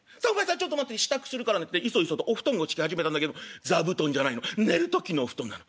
『ちょっと待って支度するからね』といそいそとお布団を敷き始めたんだけど座布団じゃないの寝る時のお布団なの。